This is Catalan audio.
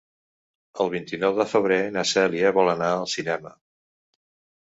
El vint-i-nou de febrer na Cèlia vol anar al cinema.